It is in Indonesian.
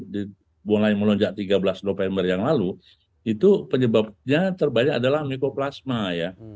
di mulai melonjak tiga belas november yang lalu itu penyebabnya terbanyak adalah mikroplasma ya